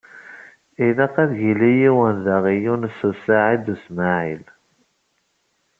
Ilaq ad yili yiwen da i Yunes u Saɛid u Smaɛil.